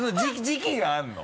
時期があるの？